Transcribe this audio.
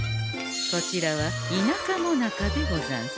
こちらは「田舎もなか」でござんす。